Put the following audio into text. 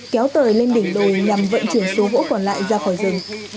kéo tời lên đỉnh đồi nhằm vận chuyển số gỗ còn lại ra khỏi rừng